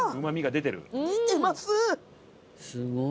すごい。